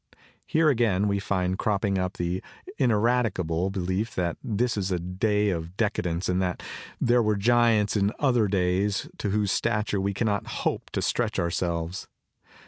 7 Here again we find cropping up the ineradicable be lief that this is a day of decadence and that there were giants in other days to whose stature we cannot hope to stretch ourselves.